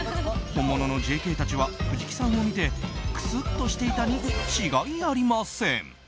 本物のＪＫたちは藤木さんを見てクスッとしていたに違いありません。